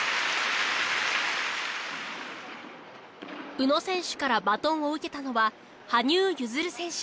宇野選手からバトンを受けたのは羽生結弦選手。